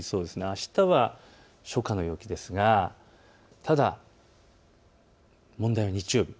あしたは初夏の陽気ですが、ただ問題は日曜日。